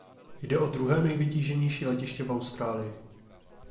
Jde o druhé nejvytíženější letiště v Austrálii.